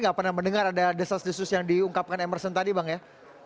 nggak pernah mendengar ada desas desus yang diungkapkan emerson tadi bang ya